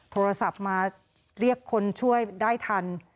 โทรศัพท์มาเรียกคนช่วยได้ทัน